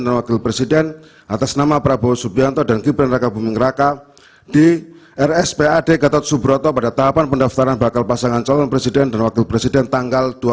dalam hadapan selanjutnya setelah tahapan pendaftaran bakal pasangan calon presiden dan wakil presiden